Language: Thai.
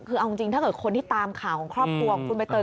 คือเอาจริงถ้าเกิดคนที่ตามข่าวของครอบครัวของคุณใบเตย